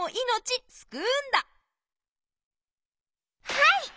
はい！